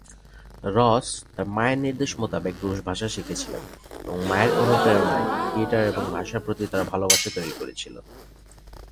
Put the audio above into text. রস তার মায়ের নির্দেশ মোতাবেক রুশ ভাষা শিখেছিলেন, এবং মায়ের অনুপ্রেরণা থিয়েটার এবং ভাষার প্রতি তার ভালবাসা তৈরি করেছিল।